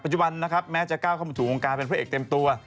จุบันนะครับแม้จะก้าวเข้ามาสู่วงการเป็นพระเอกเต็มตัว